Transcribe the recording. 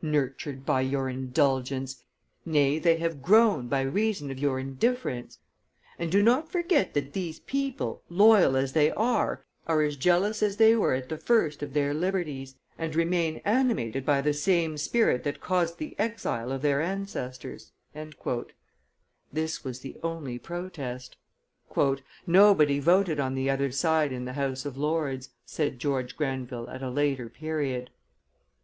Nurtured by your indulgence! Nay, they have grown by reason of your indifference; and do not forget that these people, loyal as they are, are as jealous as they were at the first of their liberties, and remain animated by the same spirit that caused the exile of their ancestors." This was the only protest. "Nobody voted on the other side in the House of Lords," said George Grenville at a later period.